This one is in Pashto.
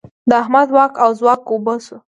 د احمد واک او ځواک اوبه شو.